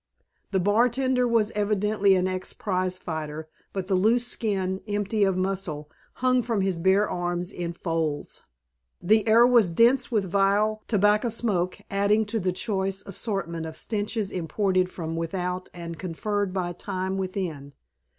The bar tender was evidently an ex prize fighter, but the loose skin, empty of muscle, hung from his bare arms in folds. The air was dense with vile tobacco smoke, adding to the choice assortment of stenches imported from without and conferred by Time within.